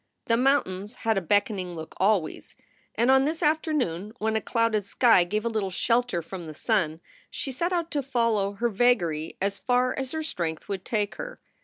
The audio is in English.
The mountains had a beckoning look always, and on this afternoon, when a clouded sky gave a little shelter from the sun, she set out to follow her vagary as far as her strength would take her.